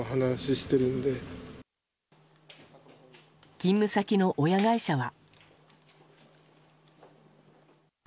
勤務先の親会社は。